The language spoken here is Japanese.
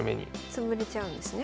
潰れちゃうんですね。